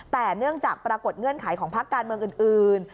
แต่เนื่องจากปรากฏเงื่อนไขของพักการเมืองอื่น